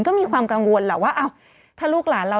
ก็มีความกังวลแหละว่าถ้าลูกหลานเรา